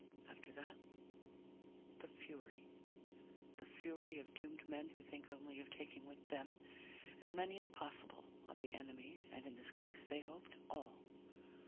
After that, the Fury. The Fury of doomed men who think only of taking with them as many as possible of the enemy, and in this case they hoped all.